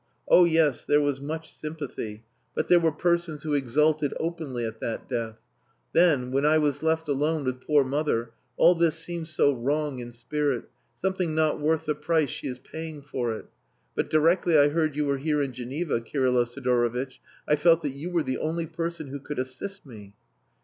Oh yes, there was much sympathy, but there were persons who exulted openly at that death. Then, when I was left alone with poor mother, all this seemed so wrong in spirit, something not worth the price she is paying for it. But directly I heard you were here in Geneva, Kirylo Sidorovitch, I felt that you were the only person who could assist me...."